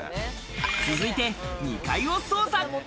続いて２階を捜査。